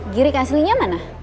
girik aslinya mana